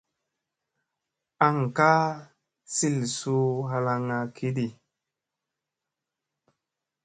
Aŋ ka sil suu halaŋŋa kiɗi.